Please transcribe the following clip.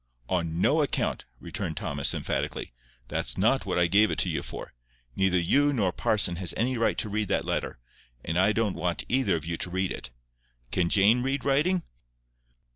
"On no account," returned Thomas, emphatically "That's not what I gave it you for. Neither you nor parson has any right to read that letter; and I don't want either of you to read it. Can Jane read writing?"